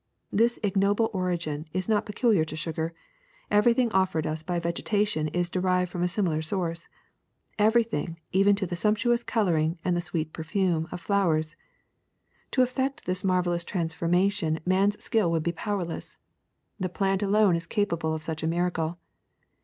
This ignoble origin is not peculiar to sugar: everything offered us by vegetation is derived from a similar source — everything, even to the sumptuous coloring and the sweet perfume of flowers. To effect this 182 THE SECRET OF EVERYDAY THINGS marvelous transformation man's skill would be powerless; the plant alone is capable of such a miracle.